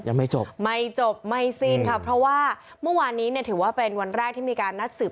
ยังไม่จบไม่จบไม่สิ้นค่ะเพราะว่าเมื่อวานนี้เนี่ยถือว่าเป็นวันแรกที่มีการนัดสืบ